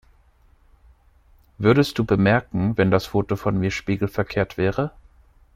Würdest du bemerken, wenn das Foto von mir spiegelverkehrt wäre?